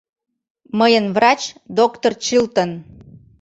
Мыйын врач — доктыр Чилтон.